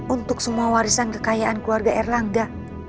untuk semua warisan kekayaan keluarga erlangga